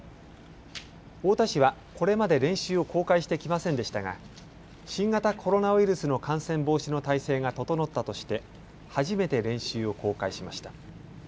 太田市はこれまで練習を公開してきませんでしたが新型コロナウイルスの感染防止の態勢が整ったとして初めて練習を公開しました。